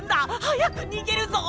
はやくにげるぞ！